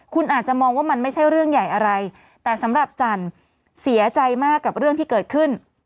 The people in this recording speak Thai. คุณอาจจะมองว่ามันไม่ใช่เรื่องใหญ่อะไรแต่สำหรับจันทร์เสียใจมากกับเรื่องที่เกิดขึ้น